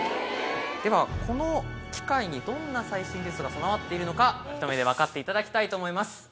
ではこの機械にどんな最新技術が備わっているのかひと目でわかっていただきたいと思います。